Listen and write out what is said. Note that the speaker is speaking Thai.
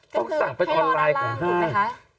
ต้องสั่งเป็นออนไลน์ของห้าง